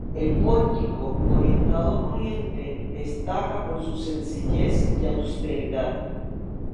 El pórtico, orientado a poniente, destaca por su sencillez y austeridad.